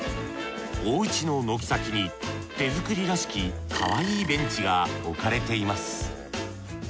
おうちの軒先に手作りらしきかわいいベンチが置かれています